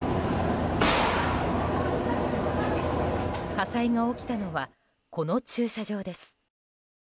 火災が起きたのはこの駐車場です。